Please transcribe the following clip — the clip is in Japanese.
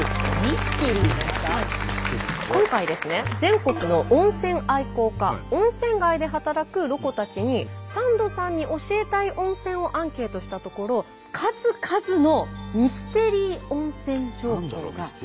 今回ですね全国の温泉愛好家温泉街で働くロコたちにサンドさんに教えたい温泉をアンケートしたところミステリー？